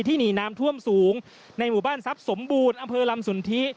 หนีน้ำท่วมสูงในหมู่บ้านทรัพย์สมบูรณ์อำเภอลำสนทิ